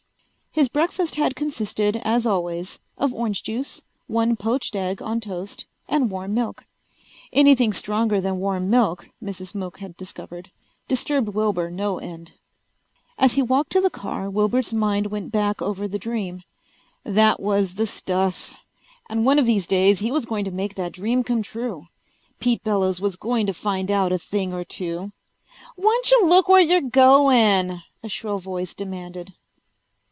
His breakfast had consisted, as always, of orange juice, one poached egg on toast and warm milk. Anything stronger than warm milk, Mrs. Mook had discovered, disturbed Wilbur no end. As he walked to the car Wilbur's mind went back over the dream. That was the stuff! And one of these days he was going to make that dream come true. Pete Bellows was going to find out a thing or two. "Whyncha look where you're goin'?" a shrill voice demanded.